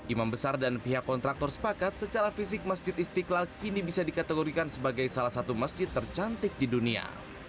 imam besar dan pihak kontraktor sepakat secara fisik masjid istiqlal kini bisa dikategorikan sebagai salah satu masjid tercantik di dunia